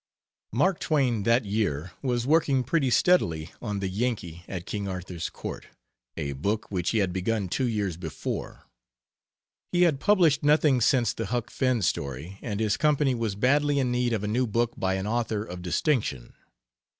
Mark Twain that year was working pretty steadily on 'The Yankee at King Arthur's Court', a book which he had begun two years before. He had published nothing since the Huck Finn story, and his company was badly in need of a new book by an author of distinction.